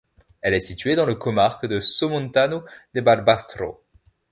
Elle est située dans la comarque de Somontano de Barbastro.